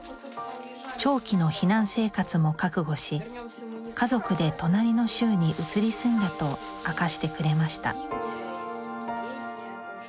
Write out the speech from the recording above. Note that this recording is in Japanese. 長期の避難生活も覚悟し家族で隣の州に移り住んだと明かしてくれました